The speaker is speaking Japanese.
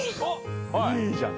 いいじゃん。